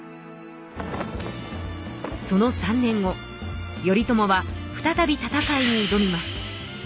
その３年後頼朝は再び戦いにいどみます。